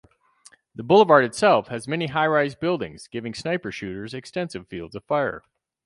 The boulevard itself has many high-rise buildings giving sniper shooters extensive fields of fire.